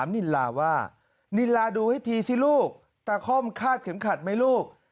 นิลลาดูให้ทีสิลูกตาคอมคาดเข็มขัดมั้ยลูก